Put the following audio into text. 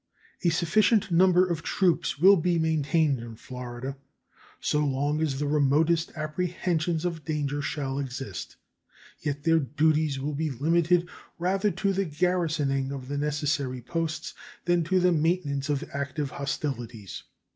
A sufficient number of troops will be maintained in Florida so long as the remotest apprehensions of danger shall exist, yet their duties will be limited rather to the garrisoning of the necessary posts than to the maintenance of active hostilities.